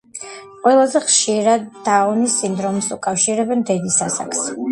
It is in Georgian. ყველაზე ხშირად დაუნის სინდრომს უკავშირებენ დედის ასაკს.